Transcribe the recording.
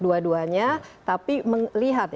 dua duanya tapi melihat